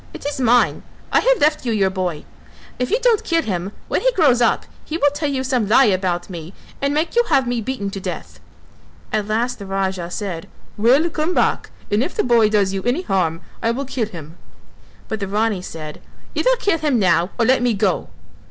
it is mine; I have left you your boy, if you don't kill him, when he grows up, he will tell you some lie about me and make you have me beaten to death." At last the Raja said "Well, come back and if the boy does you any harm I will kill him." But the Rani said. "Either kill him now or let me go."